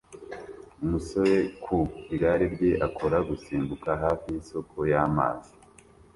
Umusore ku igare rye akora gusimbuka hafi yisoko y'amazi